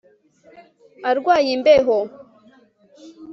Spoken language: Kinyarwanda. Arwaye imbeho